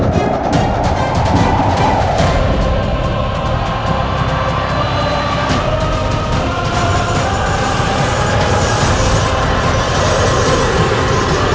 dendam dari kubur